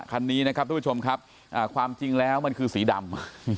คันนี้นะครับทุกผู้ชมครับความจริงแล้วมันคือสีดำ